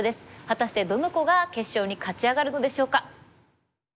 果たしてどの子が決勝に勝ち上がるのでしょうか。